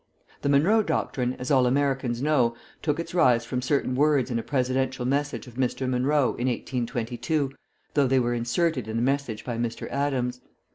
The Monroe doctrine, as all Americans know, took its rise from certain words in a Presidential message of Mr. Monroe in 1822, though they were inserted in the message by Mr. Adams.